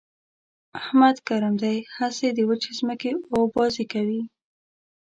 احمد ګرم دی؛ هسې د وچې ځمکې اوبازي کوي.